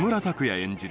演じる